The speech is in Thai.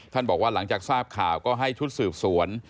บอกว่าหลังจากทราบข่าวก็ให้ชุดสืบสวน